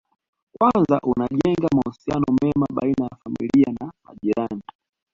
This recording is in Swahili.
Kwanza unajenga mahusiano mema baina ya familia na majirani